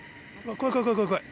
怖い怖い怖い。